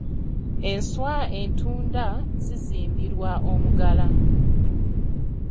Enswa entunda zizimbirwa omugala.